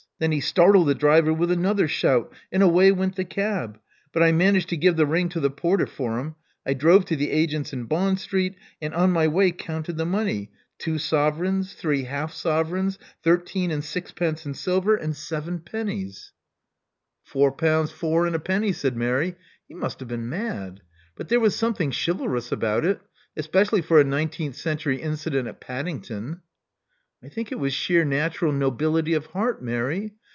Then he startled the driver with another shout; and away went the cab. But I managed to give the ring to the porter for him. I drove to the agents in Bond Street, and on my way counted the money : two sovereigns, three half sovereigns, thirteen and sixpence in silver, and seven pennies. " Love Among the Artists 8i Four pounds, four, and a penny," said Mary. He must have been mad. But there was something chivalrous about it, especially for a nineteenth century incident at Paddington." I think it was sheer natural nobility of heart, Mary.